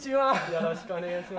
よろしくお願いします。